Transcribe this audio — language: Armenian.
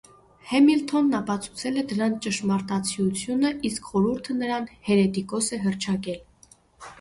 Հեմիլթոնն ապացուցել է դրանց ճշմարտացիությունը, իսկ խորհուրդը նրան հերետիկոս է հռչակել։